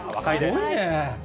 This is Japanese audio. すごいね。